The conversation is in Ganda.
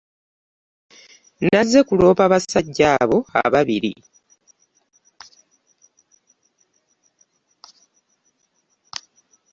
Nazze kuloopa basajja abo ababiri.